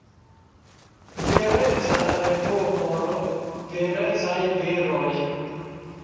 Vireca revuo por virecaj viroj.